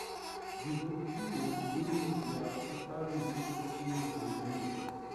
vivutio vingi vya utali vipo nchini tanzania